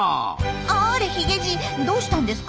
あれヒゲじいどうしたんですか？